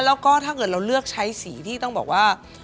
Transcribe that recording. แล้วก็ถ้าเกิดเราเลือกใช้สีที่ต้องบอกว่า